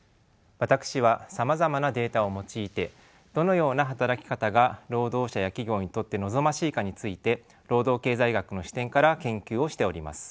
私はさまざまなデータを用いてどのような働き方が労働者や企業にとって望ましいかについて労働経済学の視点から研究をしております。